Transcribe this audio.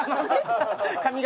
髪形？